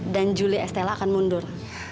dan julia estella akan mundur